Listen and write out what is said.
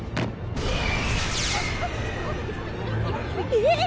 えっ！